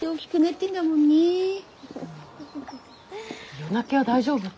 夜泣きは大丈夫？